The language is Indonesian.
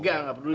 gak gak peduli